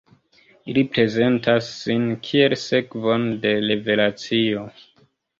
Ili prezentas sin kiel sekvon de revelacio.